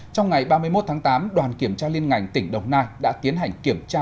trong ngày ba mươi một tháng tám đoàn kiểm tra liên ngành tỉnh đồng nai đã tiến hành kiểm tra